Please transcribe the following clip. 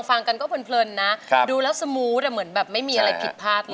ฟังกันก็เพลินนะดูแล้วสมูทเหมือนแบบไม่มีอะไรผิดพลาดเลย